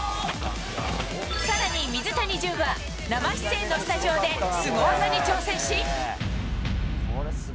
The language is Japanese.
さらに水谷隼は、生出演のスタジオでスゴ技に挑戦し。